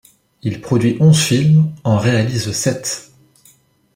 Il produit onze films, en réalise sept.